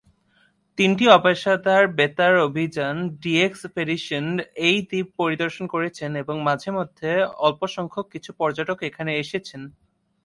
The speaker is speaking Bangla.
তিনটি অপেশাদার বেতার অভিযান "ডিএক্স-পেডিশন" এই দ্বীপ পরিদর্শন করেছেন এবং মাঝেমধ্যে অল্প সংখ্যক কিছু পর্যটক এখানে এসেছেন।